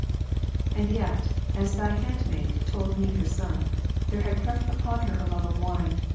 18. And yet (as Thy handmaid told me her son) there had crept upon her a love of wine.